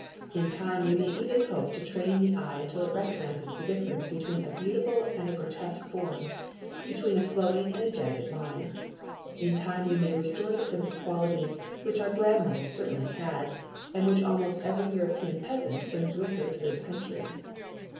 In time we may even hope to train the eye until it recognizes the difference between a beautiful and a grotesque form, between a flowing and a jagged line. In time we may restore the sense of quality, which our grandmothers certainly had, and which almost every European peasant brings with her to this country.